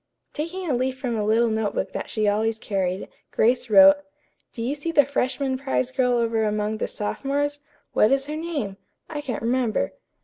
Taking a leaf from a little note book that she always carried, Grace wrote: "Do you see the freshman prize girl over among the sophomores? What is her name? I can't remember."